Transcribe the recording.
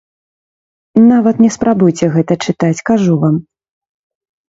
Нават не спрабуйце гэта чытаць, кажу вам.